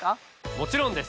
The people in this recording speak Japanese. もちろんです！